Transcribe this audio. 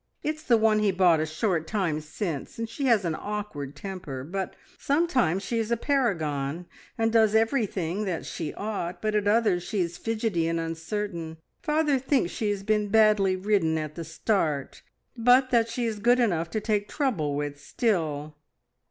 It's the one he bought a short time since, and she has an awkward temper. Sometimes she is a paragon and does everything that she ought, but at others she is fidgety and uncertain. Father thinks she has been badly ridden at the start, but that she is good enough to take trouble with still."